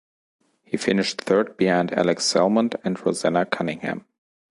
He finished third behind Alex Salmond and Roseanna Cunningham.